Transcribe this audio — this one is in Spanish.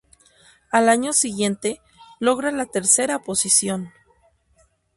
Al año siguiente, logra la tercera posición.